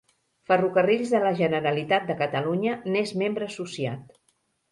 Ferrocarrils de la Generalitat de Catalunya n'és membre associat.